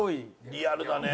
リアルだね。